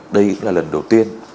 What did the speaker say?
đây là lần đầu tiên